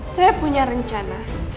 saya punya rencana